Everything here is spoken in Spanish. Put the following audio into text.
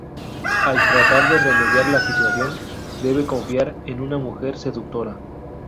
Al tratar de remediar la situación, debe confiar en una mujer seductora.